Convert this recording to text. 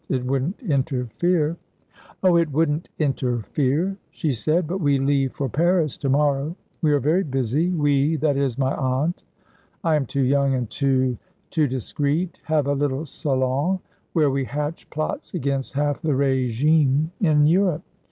"It wouldn't interfere " "Oh, it wouldn't interfere," she said, "but we leave for Paris to morrow. We are very busy. We that is, my aunt; I am too young and too, too discreet have a little salon where we hatch plots against half the régimes in Europe.